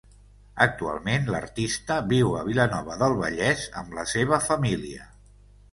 Actualment l'artista viu a Vilanova del Vallès amb la seva família.